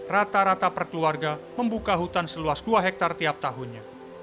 rata rata perkeluarga membuka hutan seluas dua hektare tiap tahunnya